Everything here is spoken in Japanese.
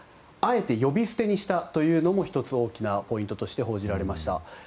あえて呼び捨てにしたというのも１つ大きなポイントとして報じられました。